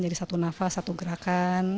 jadi satu nafas satu gerakan